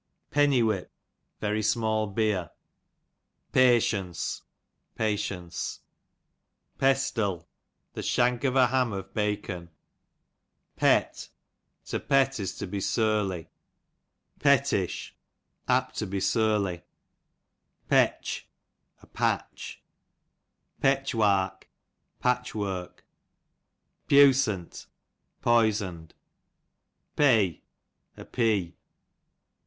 Penny whip, very small beer. Peshunce, patience, Pesril, the shank of a ham of bacon. Pet, to pet, is to be surly ^ Petch, a patch. Petch wark, patch work, Pews'nt, poisoned, Pey, a pea.